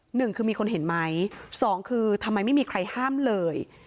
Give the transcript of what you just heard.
หนึ่งคือมีคนเห็นไหมสองคือทำไมไม่มีใครห้ามเลย